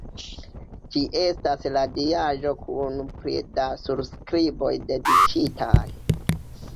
Ĝi estas la diaĵo kun pli da surskriboj dediĉitaj.